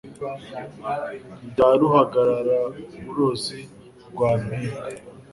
rya ruhararaburozi rwa mpinga